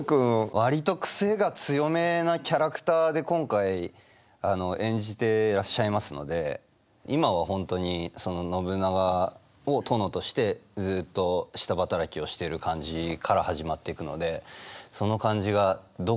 割と癖が強めなキャラクターで今回演じてらっしゃいますので今は本当にその信長を殿としてずっと下働きをしている感じから始まっていくのでその感じがどこでどう変わってくのか。